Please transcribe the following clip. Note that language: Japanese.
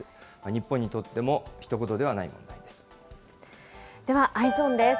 日本にとってもひと事ではない問では、Ｅｙｅｓｏｎです。